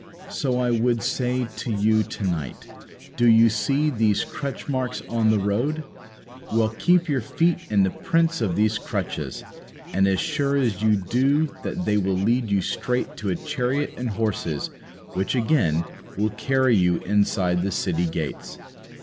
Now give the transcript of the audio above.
so I would say to you to night, "Do you see these crutch marks on the road?" Well, keep your feet in the prints of these crutches, and as sure as you do that they will lead you straight to a chariot and horses, which, again, will carry you inside the city gates.